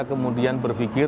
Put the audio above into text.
itu membuat saya berpikir